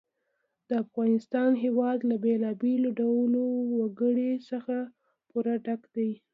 د افغانستان هېواد له بېلابېلو ډولو وګړي څخه پوره ډک دی.